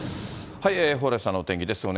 蓬莱さんのお天気です。